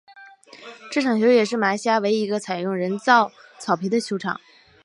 这球场也是马来西亚唯一一个采用人造草皮的球场。